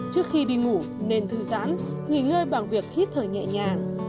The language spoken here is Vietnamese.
trước khi đi ngủ nên thư giãn nghỉ ngơi bằng việc hít thở nhẹ nhàng